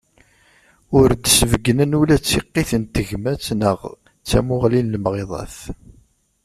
Ur d-sbeggnen ula d tiqqit n tegmat neɣ d tamuɣli n lemɣiḍat.